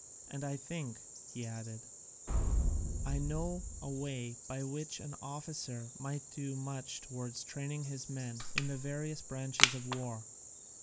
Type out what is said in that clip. And I think," he added, "I know a way by which an officer might do much towards training his men in the various branches of war.